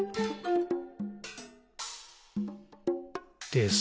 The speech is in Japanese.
「です。」